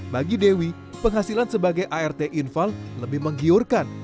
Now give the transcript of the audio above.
bagi dewi penghasilan sebagai art infal lebih menggiurkan